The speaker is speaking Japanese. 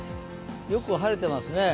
よく晴れてますね。